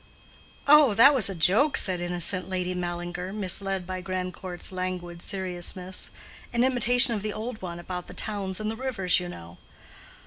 "Oh, that was a joke," said innocent Lady Mallinger, misled by Grandcourt's languid seriousness, "in imitation of the old one about the towns and the rivers, you know."